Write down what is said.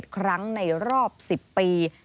ครั้งในรอบ๑๐ปี